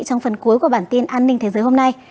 trong phần cuối của bản tin an ninh thế giới hôm nay